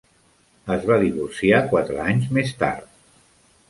Es va divorciar quatre anys més tard.